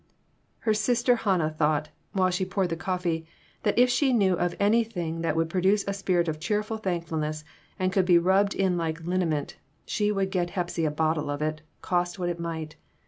Her Sister Hannah thought, while she poured the coffee, that if she knew of anything that would produce a spirit of cheerful thankfulness, and could be rubbed in like liniment, she would get Hepsy a bottle of it, cost what it might.